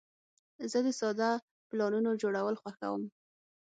زه د ساده پلانونو جوړول خوښوم.